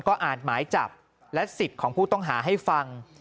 ก็อ่านหมายจับและสิทธิ์ของผู้ต้องหาให้ฟัง